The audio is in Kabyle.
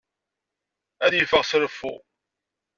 Ad yeffeɣ s reffu.